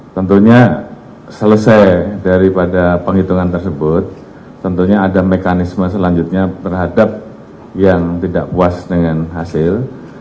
tentunya selesai daripada penghitungan tersebut tentunya ada mekanisme selanjutnya terhadap yang tidak puas dengan hasil